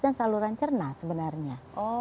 dan saluran cerna sebenarnya